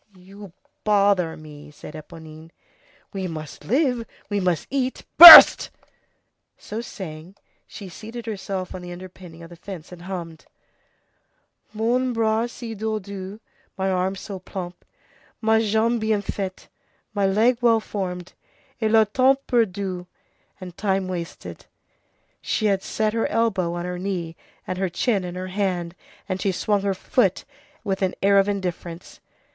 "You bother me," said Éponine. "But we must live, we must eat—" "Burst!" So saying, she seated herself on the underpinning of the fence and hummed:— "Mon bras si dodu, Ma jambe bien faite Et le temps perdu." "My arm so plump, My leg well formed, And time wasted." She had set her elbow on her knee and her chin in her hand, and she swung her foot with an air of indifference.